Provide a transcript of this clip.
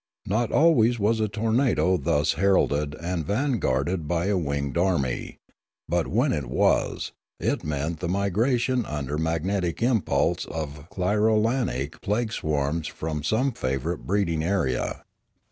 Not always was a tornado thus heralded and vanguarded by a winged army, but when it was, it meant the migration under magnetic impulse of clirolanic plague swarms from some favourite breeding area.